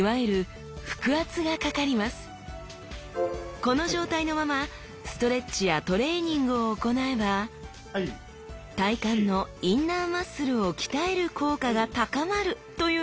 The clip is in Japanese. この状態のままストレッチやトレーニングを行えば体幹のインナーマッスルを鍛える効果が高まるというのです！